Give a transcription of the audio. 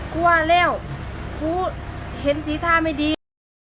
กลัวแล้วกูเห็นสีท่าไม่ดี